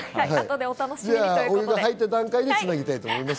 お湯が入った段階でつなぎたいと思います。